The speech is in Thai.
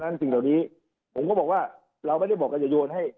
เราทำอยู่ครับแล้วเราก็เดินมันเป็นเดินการคนละนี้